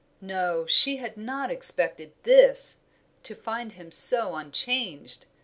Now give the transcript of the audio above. No, she had not expected this! to find him so unchanged.